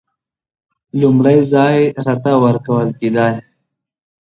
لومړی ځای راته ورکول کېدی.